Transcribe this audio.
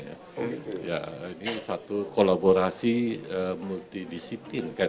ya ini satu kolaborasi multidisiplin kan